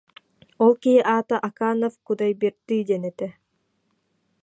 Ол киһи аата Аканов Кудайберды диэн этэ